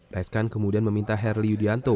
reskan kemudian meminta herli yudianto